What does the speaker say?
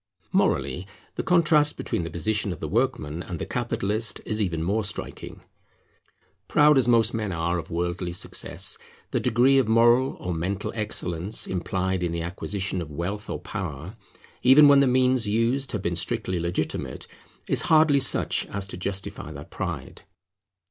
Morally, the contrast between the position of the workman and the capitalist is even more striking. Proud as most men are of worldly success, the degree of moral or mental excellence implied in the acquisition of wealth or power, even when the means used have been strictly legitimate, is hardly such as to justify that pride.